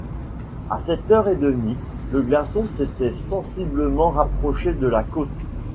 À sept heures et demie, le glaçon s’était sensiblement rapproché de la côte.